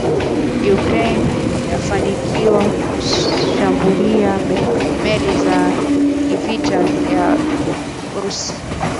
Ukraine yafanikiwa kuzishambulia meli za kivita za Urusi